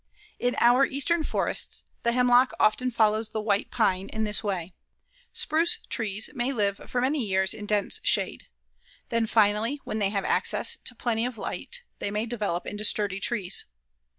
In our eastern forests the hemlock often follows the white pine in this way. Spruce trees may live for many years in dense shade. Then finally, when they have access to plenty of light they may develop into sturdy trees.